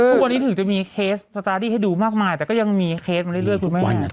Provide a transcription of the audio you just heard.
ทุกวันนี้ถึงจะมีเคสสตาร์ดี้ให้ดูมากมายแต่ก็ยังมีเคสมาเรื่อยคุณแม่